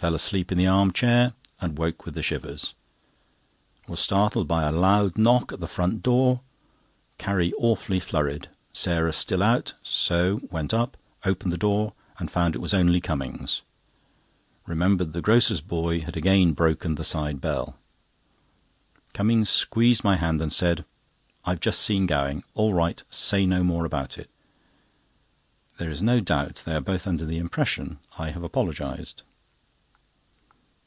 Fell asleep in the arm chair, and woke with the shivers. Was startled by a loud knock at the front door. Carrie awfully flurried. Sarah still out, so went up, opened the door, and found it was only Cummings. Remembered the grocer's boy had again broken the side bell. Cummings squeezed my hand, and said: "I've just seen Gowing. All right. Say no more about it." There is no doubt they are both under the impression I have apologised.